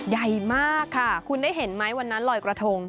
ใหญ่มากค่ะคุณได้เห็นไหมวันนั้นลอยกระทง